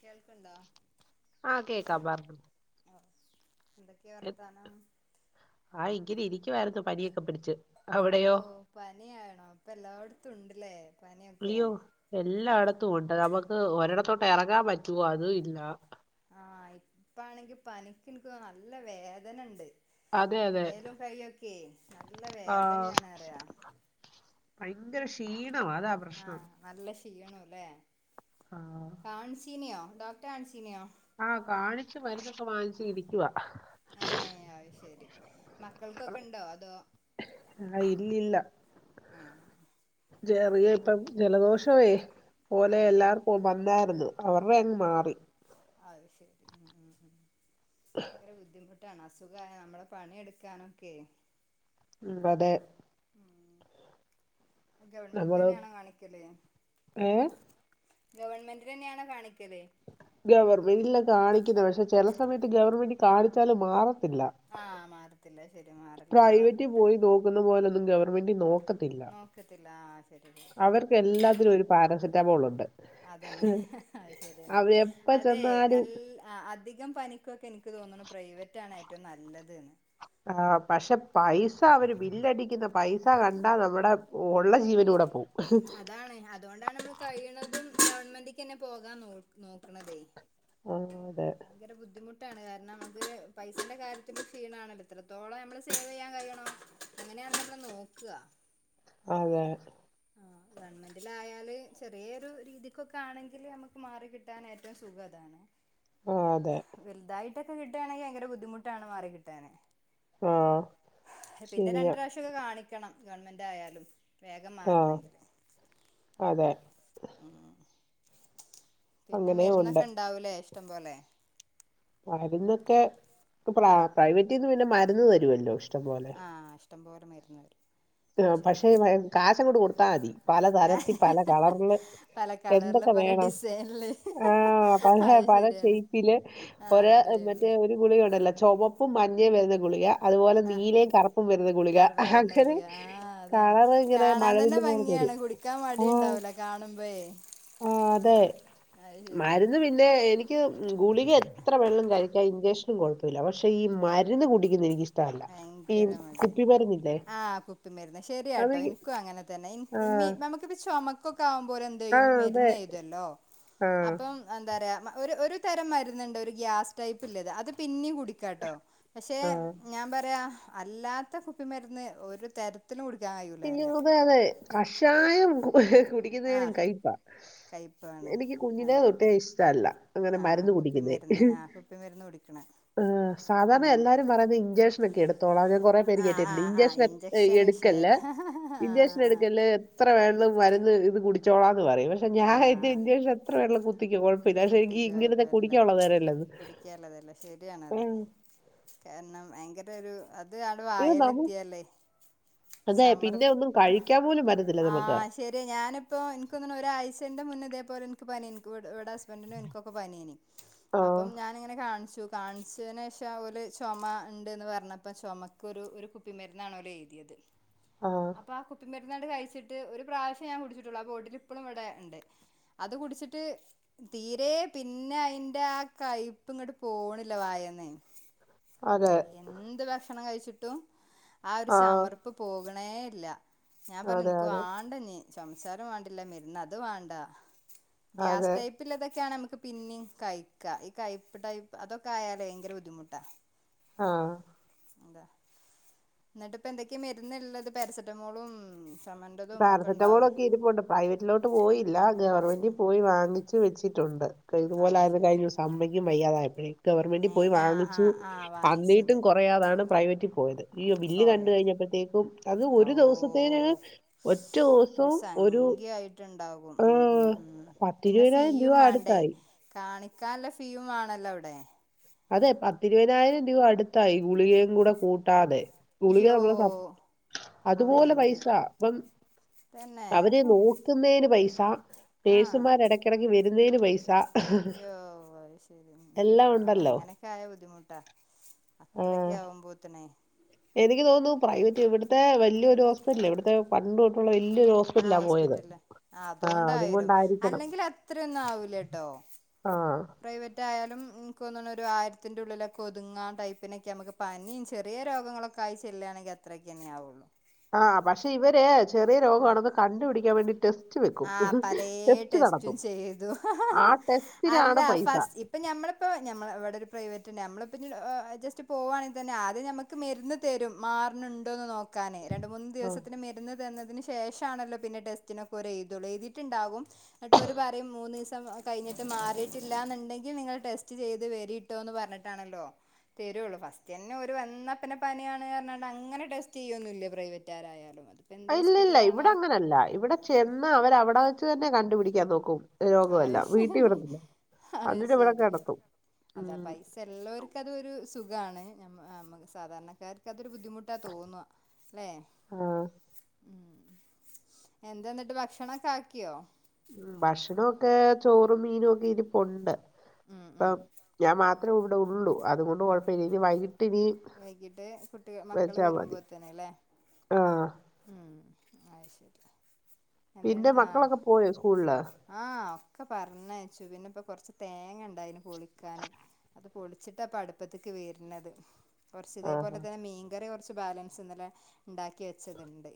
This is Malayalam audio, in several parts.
കേൾക്കുണ്ടോ? ആഹ് കേക്കാ പറ്ഞ്ഞോ? എന്തൊക്കെയാ വർത്താനം ആ ഇങ്കി നിരി ക്ക് ക്കുവാര്ന്ന് പനിയ പഠിച്ച് അവിടെയോ ഉണ്ട്ല്ലേ? അയ്യോ എല്ലാടത്തും ഒണ്ട് നമക്ക് ഒരടത്തോട്ട് എറങ്ങാ ങ്ങാൻ പറ്റുവോ അതും ഇല്ലാ- ആഹ് ഇപ്പ ആണെങ്കി പനിക്ക്ക്ക നല്ല വേദന ണ്ട്- അതെ അതെ മേലും കയൊക്കെയെ നല്ല ആഹ് വേദനയാണെന്നറിയോ? ഭയങ്കര ക്ഷീണം ണവാ അതാ പ്രശ്നം. ചെയ്യണം അല്ലേ? ആഹ് ഫാൻസിനയോ? ഡോക്ടർ അൻസിനെയോ? ആഹ് കാണിച്ചു മരുന്നൊക്കെ വാങ്ങിച്ചു ഇരിക്കുവാ അയ്ശരി മക്കൾക്കൊക്കെ ഇണ്ടോ അതോ? ആഹ് ഇല്ലില്ല ആഹ് ചെറിയ മക്കൾക്ക് ഇപ്പഴ്ത്തെ ജലദോഷ് [unintelligible] പോലെ ആഹ് ആഹ് എല്ലാർക്കും വന്നായിരുന്നു. അവരുടെ അങ്ങ് മാറി. അത് ശരി ഉം ഉം ഭയങ്കര ബുദ്ധിമുട്ട് താണ് അസുഖം ആയാൽ നമ്മള് പണിയെടുക്കാനൊക്കെ ഉം അതെ. ഗവൺമെന്റ് നമ്മള് തന്നെയാണോ കാണിക്കല്? ഏഹ് ഗവണ്മെന്റിലെന്നെയാണോ കാണിക്കല്? ഗവർമെന്റിലാ കാണിക്കുന്നെ പക്ഷേ ചില സമയത്ത് ഗവൺമെന്റിൽ കാണിച്ചലും മാറും. ത്തില്ല. [unintelligible] മാറില്ല മാറി പ്രൈവറ്റിൽ കിട്ട പോയി നോക്കുന്ന പോലൊന്ന് ഗവർമെന്റിൽ നോക്ക് നോക്കത്തില്ല ആ ശരി അവർക്ക് എല്ലാത്തിനും ഒരു പാരസെറ്റാമോൾ ഉണ്ട് അതന്നെ അത് ശരിയാണ് അവരെപ്പ അതെ ചെന്നാലും നല്ല അധികം പനിക്കൊക്കെ എനിക്ക് തോന്നുന്നു പ്രൈവറ്റാണ് ഏറ്റവും നല്ലത് ന്ന് ആ പക്ഷെ പൈസ അവര് ബില്ലടിക്കുന്ന പൈസ കണ്ടാ നമ്മുടെ ഉള്ള ജീവനൂടെ പോകും. അതാണ് അതുകൊണ്ടാണ് നമ്മള് കഴിയണതും ഗവൺമെന്റിക്കന്നെ പോകാൻ നോ നോക്കണതേ. ആ അതെ. ഭയങ്കര ബുദ്ധിമുട്ടാണ് കാരണം അത് പൈസന്റെ കാര്യത്തി ക്ഷീണാണല്ലോ എത്രത്തോളം നമ്മള് സേവ് ചെയ്യാൻ കഴിയണോ അങ്ങനെയാണല്ലോ നമ്മള് നോക്കുക. അതെ ആ ഗവണ്മെന്റിലായാല് ചെറിയൊരു രീതിക്കൊക്കെ ആണെങ്കില്, നമുക്ക് മാറി കിട്ടാൻ ഏറ്റവും സുഖതാണ്. ആ, അതെ വലുതായിട്ട് ക്കെ കിട്ടുവാണെങ്കിൽ ഭയങ്കര ബുദ്ധിമുട്ടാണ് മാറി കിട്ടാന്. ആ പിന്നെ ശരിയാ രണ്ട് പ്രാവശ്യൊക്കെ കാണിക്കണം. ഗവൺമെന്റ് ആയാലും വേഗം ആഹ് മാറണെങ്കില് അതെ. ഉ [inaudible] ഉം പിന്നെ മരുന്നൊക്കെ ഇണ്ടാവൂലേ ഇഷ്ടം പോലെ മരുന്നൊക്കെ പ്ര ഉം പ്രൈവറ്റീന്ന് പിന്നെ മ ഇന്ന് വരുമല്ലോ? ഇഷ്ടം പോലെ. [unintelligible] പോലെ മരുന്ന് തരും. ആ പക്ഷേ കാശങ്ങട് കൊടുത്താൽ മതി പലതരത്തിൽ പല കളറില് പല കളറില് എന്തൊക്കെ പല വേണം ഡിസൈനില് ആഹ് പല അത് പല ശരിയാണ് ഷേപ്പില് ആ ഒര അവിടെ മറ്റേ ഒരു ഗുളികയുണ്ടല്ലോ ചുവപ്പും മഞ്ഞയും വരുന്ന ഗുളിക അതുപോലെ ആ നീലയും കറുപ്പും വരുന്ന ഗുളിക കറുപ്പം വരുന്ന അങ്ങനെ ഗുളിക ആ അതാണ് കളർ ഇങ്ങനെ കാണാൻ തന്നെ മഴവില്ല് പോലെ ഭംഗിയാണ് തരും കുടിക്കാൻ ആഹ് മടിയുണ്ടാവൂല കാണുമ്പോഴേ ആഹ് അതെ അത് ശരിയാ മരുന്നു പിന്നെ എനിക്ക് ക്ക് ഗുളിക എത്ര വേണേലും കഴിക്കാ ഇൻഞ്ചെക്ഷനും കുഴപ്പമില്ല പക്ഷേ ഈ മരുന്ന് കുടിക്കുന്ന എനിക്ക് ഇഷ് ടല്ല ഈ ഭയങ്കര കുപ്പി മരുന്നില്ലേ? പ്പി മരുന്ന് ശരിയാട്ടോ അതെനിക്ക് എനിക്കും അങ്ങനെ തന്നെ എനി ആഹ് നമുക്കിപ്പോ ചൊമ ആകുമ്പോര് എന്ത്‌ ചെയ്യും ആഹ് അതെ മരുന്ന് എയ്തുവല്ലോ? ആഹ് അപ്പം എന്ത തര ഒരു തരം മരുന്നുണ്ട് ഒരു ഗ്യാസ് ടൈപ്പ് ഇല്ലത് അത് പിന്ന കു കുടിക്കാട്ടോ പക്ഷെ ആഹ് അ അല്ലാത്ത കുപ്പിമരുന്ന് ഒരു തരത്തിലും കുടിക്കാൻ കഴിയൂല പിന്നെ പറയാ ഞമ്മക്കത് കഷായം ആ കുടിക്കുന്നതിനലും കയ്പ്പാ കയ്പ്പാണ് എനിക്ക് കുഞ്ഞിനെ അത് തെട്ടേ ഇഷ്ടമല്ല അങ്ങനെ ആഹ് മരുന്ന് കുടിക്കുന്നേ കുപ്പിമരുന്ന് ആഹ് കുപ്പിമരുന്ന് കുടിക്കണെ ഏ സാധാരണ ഉം എല്ലാരും പറയുന്ന ഇഞ്ചക്ഷനൊക്കെ എടുത്തോളാം ഞാൻ കൊറെേ പേര് ആഹ് കേയറ്റിട്ടുണ്ട് ആഹ് ആഹ് ഇഞ്ചക്ഷൻ എടുക്കല്ല വിഷയല്ല ഇഞ്ചെക്ഷൻ ആഹ് ആഹ് എടുക്കല്ലേ എ എത്ര വെള്ളം മരുന്ന് ഇത് കുടിച്ചോളാ എന്ന് പറയും പക്ഷെ ഞാൻേഷം എത്ര വെള്ളം കുത്തിക്കയപ്പോല്ലേ നേരമല്ലത് കുടിക്കാലതല്ല ശരിയാണത് കാരണം ഭയങ്കര രു അത് അടെ ഇത് വായൽ നമ്മ എത്തിയല്ലേ അതെ പിന്നെ ചമർപ്പ ഒന്നും കഴിക്കാൻ പോലും പറ്റത്തില്ല ആ നമുക്ക് ശരി ഞാനിപ്പോ എനിക്കൊന്ന്ണ ഒരാഴ്ചന്റെ മുന്നേ ഇതേപോലെ ൻ ക്ക് പനെ ൻക്ക് വ് വ്ടെ ഹസ് നും ൻക്കൊക്കെ പനിയനേ ആ അപ്പം ഞാനിങ്ങനെ കാൺച്ചു കാൻച്ചേനേഷ ഓല് ചാെമ ണ്ട്ന്ന് പറഞ്ഞപ്പ ചൊമക്ക് ഒരു ഒരു കുപ്പിമരുന്നാണ് ഓലെയ്തിയേത് അപ്പൊ ആ കുപ്പി മെ രുന്ന് കഴിച്ചിട്ട് ഒരു പ്രാവശ്യം ഞാൻ കുടിച്ചിട്ടുള്ളൂ ആ ബോട്ടിൽ ഇപ്പളും ഇവിടെ ഇണ്ട് അത് കുടിച്ചിട്ട് തീരെ പിന്നെ അയിന്റെ ആ കൈപ്പ് ഇങ്ങട്ട് പോണ്ല്ല വായേന്നേ അതെ ഷണം കയ്ച്ചിട്ടും ആ ഒരു ചമർപ്പ് പോക ണേല്ല ഞാൻ പറഞ്ഞു അതെ ൻക്ക് അതെ വാണ്ടഞ്ഞ് ചൊമച്ചാലും വേണ്ടില്ല മര്ന്ന് അത് വാണ്ട ഗ്യാസ് അതെ ടൈപ്പ് ക്കെയാണെ മ്മക്ക് പിന്നിം കയ്ക്ക ഈ കയ്പ്പ് ടൈപ് അതൊക്കെ ആയാലെ ഭയങ്കര ബുദ്ധിമുട്ടാ ആ താ ന്ന്ട്ട് പ്പ എന്തെക്കെ മര്ന്ന്ള്ളത് പാരസെറ്റമോളും ചുമൻ്റെതും ഒക്കെ പാരസെറ്റമോൾ ഉണ്ടാവും ഒക്കെ ഇരുപ്പുണ്ട് പ്രൈവറ്റിലോട്ട് പോയില്ല ഗവൺമെന്റി പോയി വാങ്ങിച്ചു വെച്ചിട്ടുണ്ട് അത് ഇത്‌പോലെയത് ശരി കഴിഞ്ഞുസമ്മയ്ക്കും വയ്യാതായപ്പോഴേ ഗവൺമെന്റ് ഏ പോയി ആ ആ വാങ്ങിച്ചു ആ വാങ്ങിച്ചത് അന്നിട്ടും കാെറയാതാണ് പ്രൈവറ്റി പോയത് യ്യോ ബില്ല് കണ്ട് പോയത് കഴിഞ്ഞപ്പോഴത്തേക്കും അത് ഒരു അവൂ ദിവസത്തേന് ഒറ്റ ഒരു ദിവസവും സംഖ്യായിട്ട്ണ്ടാകും ആ, ഉം ഉം ഉം പിന്നെ പത്തിരുപതിനായിരം രൂപ ഫീയും മാണ്ടേ അടുത്തായി കാണിക്കാൻല്ല ഫീയും വാണല്ലൊവ്ടെ അതെ പത്തിരുപതിനായിരം രൂപ അടുത്തായി ഗുളികയും കൂടെ കൂട്ടാതെ ഗുളിക യ്യോ നമ്മള് പ അവ അതുപോലെ പൈസ എന്തൊരു അപ്പം തന്നെ അവരെ നോക്കുന്നേയ്ന് പൈസ നേഴ്സുമാരെടക്കെടക്ക് വരുന്നേയ്ന് പൈ ച യോ അയ്ശെരി ഉം ഉം ഉം എല്ലാം ഔ ഉണ്ടല്ലോ അങ്ങനെ ആയ ബുദ്ധിമുട്ടാ ആഹ് അത്രെക്കെ ആവുമ്പോത്തിനെ എനിക്ക് തോന്നുന്നു പ്രൈവററ്റ് ഇവിട്ത്തെ വല്ല്യ ഒരു ഹോസ്പിറ്റൽ ഇവിടുത്തെ പണ്ട് തൊട്ടുള്ള വലിയൊരു ആ ഹോസ്പിറ്റലാ പോയത് ഹോസ്പിറ്റല് ആ ആഹ് അതുകൊണ്ടായരും അതുകൊണ്ടായിരിക്കണം അല്ലെങ്കില് അത്രൊന്നും ആവൂല ട്ടോ ആഹ് പ്രൈവറ്റ് ആയാല് ഉം നക്കോന്ന്ണ് ഒരു ആയിര്ത്തിന്റുള്ളിലൊക്ക ഒതുങ്ങാൻ ടൈപ്പിനൊക്കെ നമ്ക്ക് പനിം ചെറിയ രോഗങ്ങളൊക്കായി ചെല്ലായാണെങ്കി അത്രേക്കെന്നെ ആവൊള്ളു ആഹ് പക്ഷേ ഇവര് ചെറിയ രോഗവാണെന്ന് കണ്ട്പിടിക്കാൻ വേണ്ടി ടെസ്റ്റ് വെക്കും ആ പലേ ടെസ്റ്റ് ടെസ്റ്റും നടത്തും ചെയ്തു ഹ ഹ ഹ ആ അല്ല ടെസ്റ്റിനാണ് പൈസ ഫസ്റ്റ് ഇപ്പ ഞമ്മള് പ്പോ ഞമ്മള് ഇവിടൊരു പ്രൈവ നമ്മളിപ്പിനി അഹ് ജസ്റ്റ് പോവാണെ തന്നെ ആദ്യം നമക്ക് മെര്ന്ന് തെരും മാർണ് ണ്ടോന്ന് നോക് ക്കാനെ രണ്ട് മൂന്ന് ആഹ് ദിവസത്തിന് മെര്ന്ന് തന്നതിന് ശേഷാണല്ലോ പിന്നെ ടെസ്റ്റിനൊക് ഓര് എയ്തൊള്ളു എയ്തിട്ട്ണ്ടാവും ന്ന്ട്ട് ഓര് പറയും മൂന്നിസം കയ്ഞ്ഞിട്ട് മാറീട്ടില്ല ന്ന്ണ്ടെങ്കി നിങ്ങൾ ടെസ്റ്റ് ചെയ്ത് വരിട്ടോ ന്ന് പർഞ്ഞ്ട്ടാണല്ലോ തെരുള്ളൂ ഫസ്റ്റന്നെ ഒര് വന്നപ്പന്നെ പനിയാണ് അങ്ങനങ്ങട്ട് ടെസ്റ്റ് എയ്യൊന്നുല്ല പ്രൈവറ്റാരായാലും ഇല്ല ഇല്ല ഇവിടെ അങ്ങനല്ല ഇവിട ചെന്ന് അവരവ്ടെ വെച്ച് തന്നെ കണ്ടുപിടിക്കാൻ നോക്കും രോഗമല്ല അത് വീട്ടിൽ ശേഹ്ഹ് വിടത്തില്ല അത് എന്നിട്ട് ഇവിടെ ശരി കിടത്തും അതാ ഉം പൈസ ള്ളോർക്ക് അതൊരു സുഖാണ് ഞമ്മ് നമ്മ സാധാര്ണക്കാർക്കത് ഒരു ബുദ്ധിമുട്ടാ തോന്നുവ ല്ലെ ആഹ് ഉം എന്ത ന്നിട്ട് ഭക്ഷണൊക്കാക്ക്യോ ഉം ഭക്ഷണൊക്കെ ചോറും മീനുക്കെ ഇരിപ്പുണ്ട് ഉം ഉം പ്പം ഞാ മാ ത്ര വ്ടുള്ളു അതുകൊണ്ട് ആ കൊഴ്പ്പില്ല ഇനി വൈകിട്ടിനി വൈകിട്ട് കുട്ടി മക്കള് വെച്ചാ മതി വരുമ്പോത്തന്നെ ആഹ് ആഹ് ശരി പിന്നെ എന്തേണ്ടാഹ് മക്കളൊക്കെ പോയോ സ്കൂളില് ആഹ് ഒക്ക പർഞ്ഞ് ഷുവിന് പ്പൊ കൊർച്ച് തേങ്ങണ് ണ്ടയ്ന് പൊളിക്കാന് അത് പൊളിച്ചിട്ടാ പ്പട്പ്പത്ത്ക്ക് വെര്ണത് കൊർച്ച് ആഹാ തേപോലെ തന്നെ മീൻകറി കൊർച്ച് ബാലൻസ് ഇന്നലെ ണ്ടാക്കി വെ ച്ചത്ണ്ട്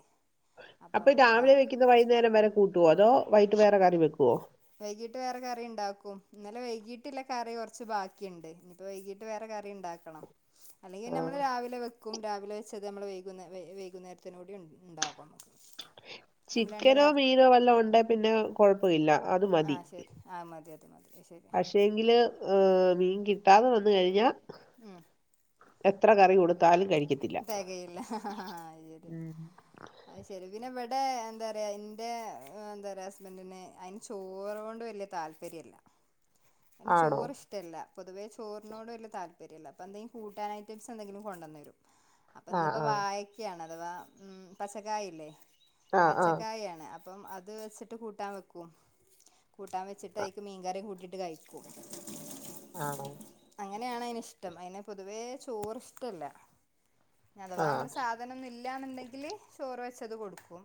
അപ്പൊ രാവിലെ വെക്കുന്നെ വൈന്നേരം വരെ കൂട്ടുവോ അതോ വൈട്ട് വേറെ കറി വെക്കുവോ വൈകീട്ട് വേറെ കറി ണ്ടാക്കും ന്നലെ വൈകീല കറി കൊർച്ച് ബാക്കിണ്ട് നിപ്പോ വൈകീട്ട് വേറെ കറി ണ്ടാക്കണം അല്ലെങ്കി ആ. നമ്മള് രാവിലെ വെ ക്കും രാവിലെ വെച്ചത് നമ്മള് വൈകുന്ന വെ വൈകുന്നേര്ത്തിനൂടി ണ്ടാകുമ്മക്ക് ചിക്കനോ മീനോ വല്ലോണ്ടെ പിന്നെ കുഴപ്പവില്ല ആഹ് ശരി ആ മതി അത് മതി അഅ്ശരിയാ ആ മീൻ കി [unintelligible] വന്ന് കഴിഞ്ഞാ എത്ര കറി കൊടു തെകയില്ല അയ് ശരി ഉം. അത് ശരി പിന്നെ വെ ഇടെ എന്താ പറയാ എന്റെ ഉം എന്താ പറിയാ ഹസ്ബന്റ്ന് അയിന് ചോറ് കൊണ്ട് വല്ല്യ താല്പര്യല്ല ആണോ ചോറ് ഇഷ്ടല്ല പൊതുവേ ചോറിനോട് വലിയ താല്പര്യം [unintelligible] അപ്പ എന്തേലും കൂട്ടാ ഐറ്റം എന്തെങ്കിലും കൊണ്ടന്ന് അപ്പൊ ആ ഇന്നിപ്പോ ആ വായക്കാണ് അഥവാ ഉം പച്ചക്കായല്ലേ ആ ആ പച്ചക്കായാണ് അ അപ്പം അത് വെച്ചിട്ട് കൂട്ടാൻ വെക്കും കൂട്ടാൻ വച്ചിട്ട അയ്ക്ക് മീങ്കറി കൂട്ടിട്ട് ട്ട കഴിക്കും ആണോ അങ്ങനെയാണ് അതയിന് ഇഷ്ടം അയിന് പൊതുവേ ചോറി ഇഷ്ടമല്ല ആ അഥവാ നമ്മള് സാധനൊന്ന ഇല്ല ല്ലാന്നുണ്ടെങ്കിൽ ചോറ് വെച്ചത് കൊടുക്കും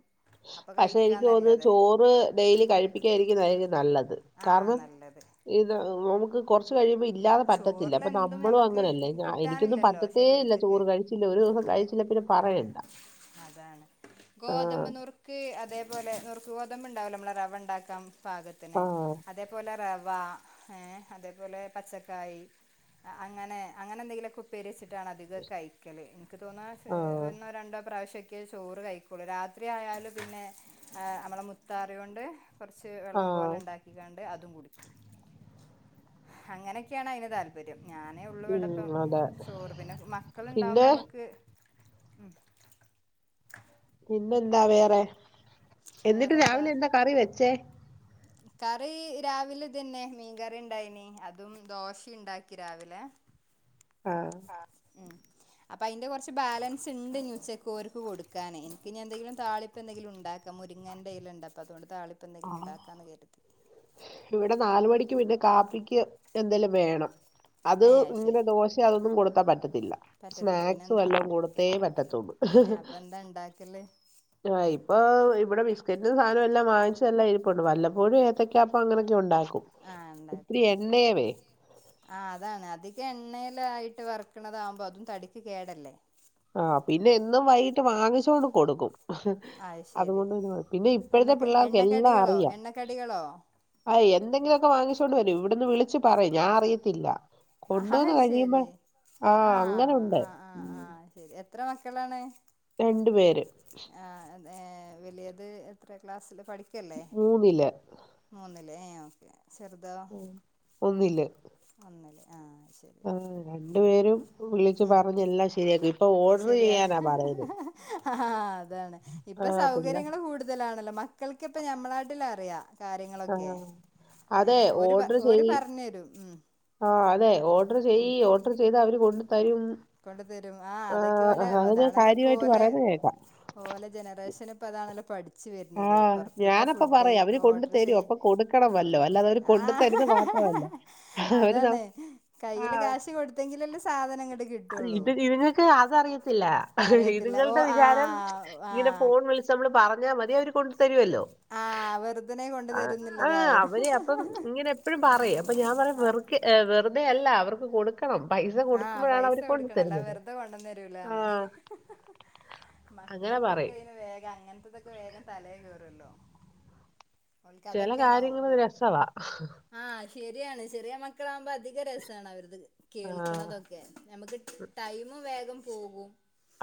അപ്പൊ പക്ഷേ എനിക്ക് തോന്നുന്നു കഴിക്കാന്നല്ലത് ചോറ് ഡെയിലി കഴിപ്പിക്കാായിരിക്കുന്നായിരിക്കും നല്ലത് ആഹ് കാരണം നല്ലത് ഇത് നു കുറച്ച് കഴിയുമ്പ ഇത് ഇല്ലാതെ പറ്റത്തില്ല അപ്പൊ ചോറിലെന്തും നമ്മളും ഞമ്മക്ക് അങ്ങനെയല്ലേ ഞ എനിക്കൊന്നും കിട്ടാനില്ലല്ലോ പറ്റത്തേ ഇല്ല ശരീരത്ത്ക്ക് ചോറ് കഴിച്ചില്ല ഒരു ദിവസം കഴിച്ചില്ല പിന്നെ പറയണ്ട ആ ക്ക് അതേപോലെ നുർക്ക് ഗോതമ്പ് ഉണ്ടാവുമല്ലോ നമ്മളെ റവ ഉണ്ടാക്കാം പാകത്തിന് ആഹ് അതേപോലെ റവ വാ ഏ അതേപോലെ പച്ചക്കറി ക്കായി അങ്ങനെ അങ്ങനെ എന്തെങ്കിലുംക്കേ ഉപ്പരിെച്ചിട് അധിക കയ്ക്കല് എനിക്ക് തോന്ന ആഹ് എന്നോ രണ്ടോ പ്രാവശ്യ ക്കേ ചോറ് കഴിക്കുള്ളൂ രാത്രി ആയാല പിന്നെ നമ്മളെ മുത്താറി കൊണ്ട് കുറച്ച് വെള്ളം പോലെ ആഹ് ഉണ്ടാക്കിക്കാണ്ട് വിടെ അതും അങ്ങനൊക്കെയാണ് അയ്ന് താല്പര്യം ഞാനേ ഉള്ളു എവിടപ്പം ഉം അതെ. ചോറ് പിന്നെ മക്കൾ ഇണ്ടാവ്പോ പിന്നെ നമക്ക് ഉം പിന്നെന്താ വേറെ എന്നിട്ട് വേറെന്താ രാവിലെ എന്താ കറി വെച്ചേ കറി രാവിലെതന്നെ മീൻകറി ഉണ്ടായിനി അതും ദോശുണ്ടാക്കി രാവിലെ ആഹ് ഉം അപ്പൊ അതിന്റെ കുറച്ച് ബാലൻസ് ഉണ്ട് ഉച്ചക്കർക്ക് കൊടുക്കാൻ എനിക്ക്നി എന്തെങ്കിലും താളിപ്പ് എന്തെങ്കിലും ഉണ്ടാക്കാം മുരിങ്ങേൻന്റെയ്ൽ ഉണ്ട അപ്പ അതുകൊണ്ട് താളിപ്പ് എന്തെങ്കിലും ആഹ് ഉണ്ടും ഇവിടെ നാല് മണിക്ക് പിന്നെ കാപ്പിക്ക് എന്തേലും വേണം അത് ഏഹ് ഇങ്ങനെ ശരി ദോശ അതൊന്നും കൊടുത്താ പറ്റത്തില്ല പറ്റത്തില്ല പിന്നെ സ്നാക്സും എന്താ എല്ലാം കൊടുത്തേ പറ്റത്തുള്ളൂ ഏഹ് അപ്പൊ എന്താ ഉണ്ടാക്കല് ആ ഇപ്പൊ ഇവിടെ ക്രിക്കറ്റ് സാധനല്ലാം വാങ്ങിച്ച് എല്ലാ ഇരിപ്പുംണ്ട് വല്ലപ്പോഴും ഏത്തക്ക അപ്പം അങ്ങനൊക്കെ ഉണ്ടാക്കി ആഹ് ഉണ്ടക്കും ശരി ആ അതാണ് അതിക എണ്ണ യിട്ട് വറക്കണതാകുമ്പോ അതും തടിക്ക് കേടല്ലേ ആഹ് പിന്നെ എന്നും വൈകിട്ട് വാങ്ങിച്ചോണ്ട് കൊടുക്കും അത് ശരി അതുകൊണ്ട് തന്ന പിന്നെ എണ്ണ ഇപ്പോഴത്തെ പിള്ളേർക്ക് എല്ലാം എണ്ണക്കടികളോ അറിയാം എണ്ണക്കടികളോ അ എന്തെങ്കിലുമൊക്കെ വാങ്ങിച്ചോണ്ട് വരും ഇവിടന്ന് വിളിച്ച കുച്ച് പറയായും ഞാൻ അറിയത്തില്ല അത് കൊണ്ടുവന്ന് കഴിയുമ്പോ ശരി ആഹ് അങ്ങനെുണ്ട് ആഹ് ആഹ് ഉം ആഹ് ശരി എത്ര മക്കളാണ് രണ്ടു പേര് ആഹ് വലിയത് എത്ര ക്ലാസ്സിൽ പഠിക്ക കേല്ലേ മൂന്നില് മോന അല്ലെ ഓക്കെ ചെറുതോ ഉം ഒന്നില് ഒന്നില് ആഹ് ശരി ആഹ് രണ്ടു പേരും വിളിച്ചു പറഞ്ഞെല്ലാം ശരിയാക്കി ശരിയാ ആഹ് അതാണ് ഇപ്പൊ ആഹ് പിള്ള സൗകര്യങ്ങൾ കൂടുതലാണല്ലോ മ മക്കൾക്കിപ്പം ഞമ്മളാട്ടിൽ അറിയാം കാര്യങ്ങളൊക്കെ ആഹ് അതെ ഏഹ് ഒരു ഓർഡർ ഒരുര് ചെയ് പറഞ്ഞു തരും ഉം ഡർ ചെയ് ഓർഡർ ചെയ്ത കൊണ്ടു തരും കൊണ്ട് തരും ആഹ് അതൊക്കെ പോലെ ആഹ് അത് ഞാൻ അതാണല്ലോലെ കാര്യമായിട്ട് പോഓലെ പറയുന്ന കേക്കാം ഓലെ ജനറേഷൻ ഇപ്പതാണല്ല പഠ ച്ച് വരുന്നത് ആഹ് പുറത്തിത്തെ ഞാനപ്പ ഫുഡ് പറയും അവര് കൊണ്ട് ഓർഡർ തരും ചെയ് അപ്പൊ കൊടുക്കണം വല്ലോ അല്ലാതെ അവര് കൊണ്ട് ആഹ് തരുന്ന മാത്രമല്ല അവര് ന അതാണ് കയ്യിലെ കാശ് കൊടുത്തെങ്കിലല്ലേ സ് സാധനങ്ങട് കി അത് ഇത് നിങ്ങക്ക് അതറിയത്തില്ല അയീ അറിയത്തില്ല ഓ ഇതുങ്ങളുടെ ആ വിചാരം ആ ഇങ്ങനെ ഫോൺ വിളിച്ച് നമ്മള് പറ പർഞ്ഞാ മതി അവര് കൊ തരൊല്ലോ ആ വെറുതനെ കൊണ്ട് ആഹ് തരുന്നുള്ളതായിരു അവര് അപ്പം ഇങ്ങനെ എപ്പഴും പറിം അപ്പൊ ഞാം പറിം വെറ്കെ അ് വെറ്തെ അല്ല അവർക്ക് കൊട്ക്ക് ക്കണം പൈസ കൊടുക്ക ആ പൈസ കൊടുക്കണം അല്ല വെറുതെ കൊണ്ടന്ന് തരൂലാന്ന് ആഹ് അങ്ങനെ മക്കൾക്കൊക്കെ പറയും അന് വേഗം അങ്ങനത്തതൊക്കെ വേഗം തലേകേറും കേറുല്ലോ ചില കാര്യങ്ങൾ രസവാ ശെര്യാണ് ചെറിയ മക്കളാവുമ്പോ അധിക രസാണ് അവര്ത്. കേൾ ആഹ് ക്ക്ണതൊക്കെ നമക്ക് ടൈമ് വേഗം പോകും.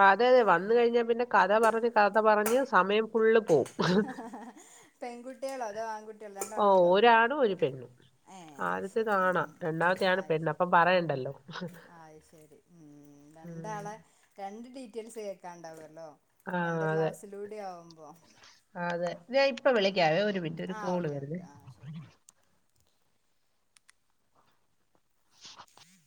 അതെ യതെ വന്ന് കഴിഞ്ഞാ പിന്നെ കഥ പറഞ്ഞ് കഥ പറഞ്ഞ് സമയം ഫുള്ള് പോവും പെൺകുട്ട്യേളോ അതോ ആൺകുട്ട്യേളോ ഓ രണ്ടാളുണ്ടോ ഒരാണും ഒരു പെണ്ണും ഏ അഅ് ശെരി ഉം ആദ്യത്തേതാണാ രണ്ടാമത്തെയാണ് ഉം പെണ്ണ് അപ്പം പറയണ്ടല്ലോ അഅ് ശെരി ഉം ഉം ഉം. രണ്ടാളെ രണ്ട് ഡീറ്റേൽസ് കേക്കാണ്ടാവ ല്ലോ ആ രണ്ട് അതെ ക്ലാസ്സിലൂടെ ആവു അതെ ഞാൻ ഇപ്പൊ വിളിക്കാവേ ഒരു മിനിറ്റ് ഒരു ആഹ് കോള് ഓക്കെ വരുന്നെ ഓക്കെ ആഹ് ശരി